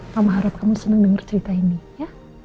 mama harap kamu seneng denger cerita ini ya